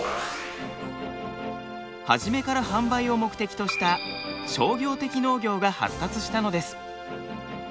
初めから販売を目的とした商業的農業が発達したのです。